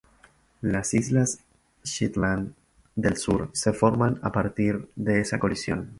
Las Islas Shetland del Sur se forman a partir de esa colisión.